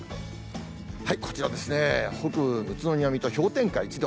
こちらですね、北部、宇都宮、水戸、氷点下１度。